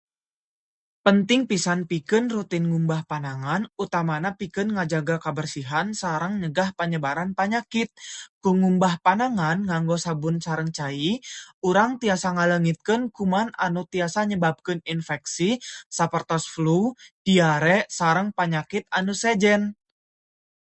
Penting pisan pikeun rutin ngumbah panangan, utamana pikeun ngajaga kabersihan sareng nyegah panyebaran panyakit. Ku ngumbah panangan nganggo sabun sareng cai, urang tiasa ngaleungitkeun kuman anu tiasa nyebabkeun infeksi sapertos flu, diare, sareng panyakit anu sejen.